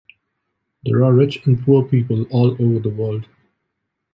There are rich and poor people all over the world.